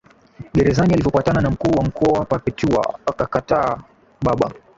gerezani alivyopatana na mkuu wa mkoa Perpetua akakataa Baba